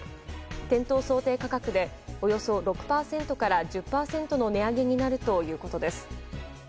店頭想定価格でおよそ６％から１０％の値上げになるということです。